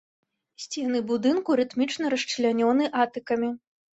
Сцены будынку рытмічна расчлянёны атыкамі.